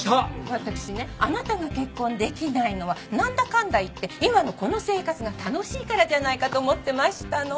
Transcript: わたくしねあなたが結婚出来ないのはなんだかんだ言って今のこの生活が楽しいからじゃないかと思ってましたの。